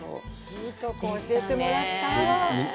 いいところを教えてもらった。